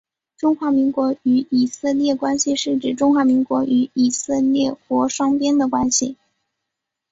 中华民国与以色列关系是指中华民国与以色列国双边的关系。